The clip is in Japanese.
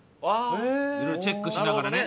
色々チェックしながらね。